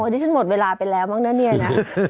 โอ้ยนี่ฉันหมดเวลาไปแล้วมั้งเนี่ยนะ